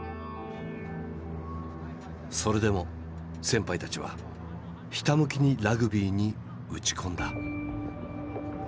それでも先輩たちはひたむきにラグビーに打ち込んだ。